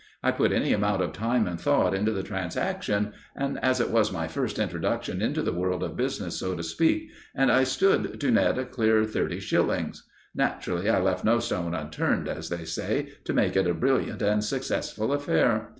I put any amount of time and thought into the transaction, and as it was my first introduction into the world of business, so to speak, and I stood to net a clear thirty shillings, naturally I left no stone unturned, as they say, to make it a brilliant and successful affair.